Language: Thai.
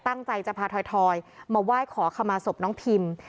ตั้งใจจะพาทอยมาไหว้ขอขมาศพน้องพิม